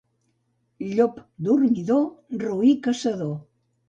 Llop dormidor, roí caçador.